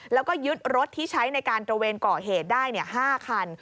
แล้วก็ยึดรถที่ใช้ในการตระเวนก่อเหตุได้๕คัน